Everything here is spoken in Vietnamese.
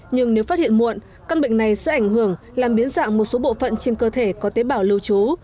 nhưng nếu phát hiện muộn căn bệnh này sẽ ảnh hưởng làm biến dạng một số bộ phận trên cơ thể có tế bảo lưu trú